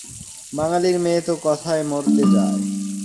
বাঙালির মেয়ে তো কথায় মরতে যায়।